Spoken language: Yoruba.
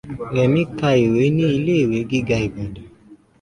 Rẹ̀mi ka ìwé ní ilé- ìwé gíga Ìbàdàn.